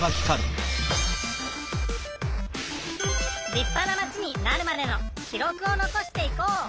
りっぱなマチになるまでの記録をのこしていこう！